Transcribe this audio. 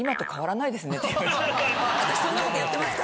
私そんなことやってますか？